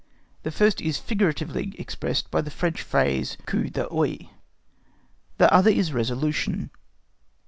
The first is figuratively expressed by the French phrase coup d'œil. The other is resolution.